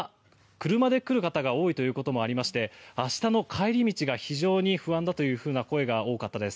車で来られる方が多いということもありまして明日の帰り道が非常に不安だという声が多かったです。